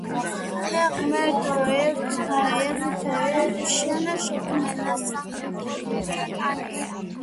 ჰე, ღმერთო ერთო, შენ შეჰქმენ სახე ყოვლისა ტანისა